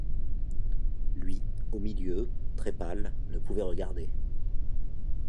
Lui, au milieu, très-pâle, ne pouvait regarder